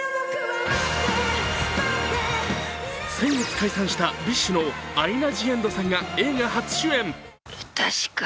先月解散したＢｉＳＨのアイナ・ジ・エンドさんが映画初主演。